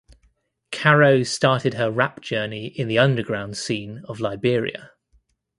Caro started her rap journey in the underground scene of Liberia.